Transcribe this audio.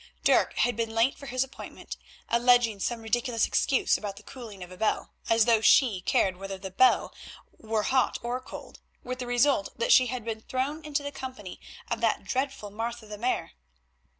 Dirk had been late for his appointment, alleging some ridiculous excuse about the cooling of a bell, as though she cared whether the bell were hot or cold, with the result that she had been thrown into the company of that dreadful Martha the Mare.